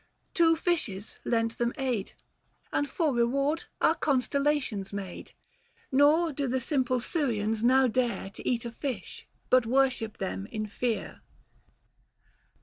Two fishes lent them aid, And for reward are constellations made. Nor do the simple Syrians now dare To eat a fish, but worship them in fear.